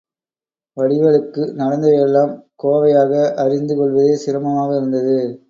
வடிவேலுவுக்கு நடந்ததையெல்லாம் கோவையாக அறிந்து கொள்வதே சிரமமாக இருந்தது.